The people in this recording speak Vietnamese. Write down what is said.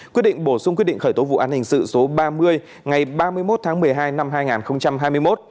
quyết định bổ sung quyết định khởi tố vụ án hình sự số ba mươi ngày ba mươi một tháng một mươi hai năm hai nghìn hai mươi một